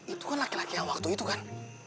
itu kan laki laki yang waktu itu kan